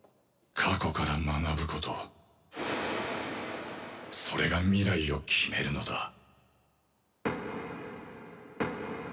過去から学ぶことそれが未来を決めるのだ。